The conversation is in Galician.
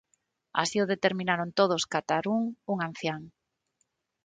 Así o determinaron todos catar un, un ancián.